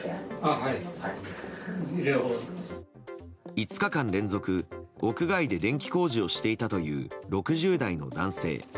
５日間連続屋外で電気工事をしていたという６０代の男性。